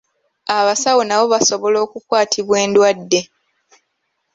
Abasawo nabo basobola okukwatibwa endwadde.